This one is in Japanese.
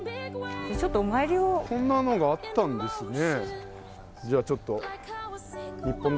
こんなのがあったんですね。